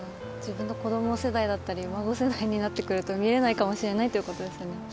自分の子ども世代だったり孫世代になってくると見れないかもしれないということですね。